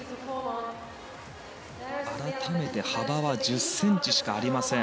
改めて幅は１０ｃｍしかありません。